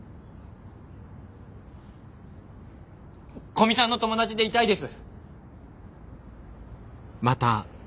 古見さんの友達でいたいです。